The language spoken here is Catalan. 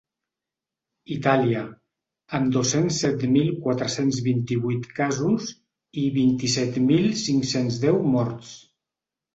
Itàlia, amb dos-cents set mil quatre-cents vint-i-vuit casos i vint-i-set mil cinc-cents deu morts.